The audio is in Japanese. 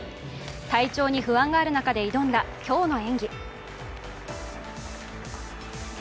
体調に不安がある中で挑んだ今日の演技。